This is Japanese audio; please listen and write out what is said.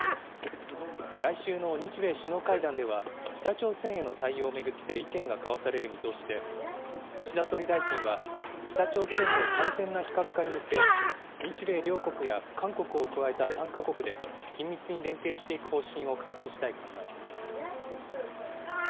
来週の日米首脳会談では、北朝鮮への対応を巡って意見が交わされる見通しで、岸田総理大臣は、北朝鮮の完全な非核化に向け、日米両国や韓国を加えた３か国で、緊密に連携していく方針を確認したい考えです。